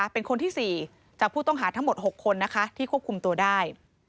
เป็นคนที่๔จากผู้ต้องหาทั้งหมด๖คนนะคะที่ควบคุมตัวได้